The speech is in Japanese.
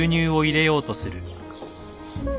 うん。